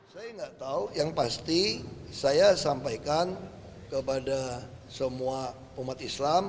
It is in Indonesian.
saya nggak tahu yang pasti saya sampaikan kepada semua umat islam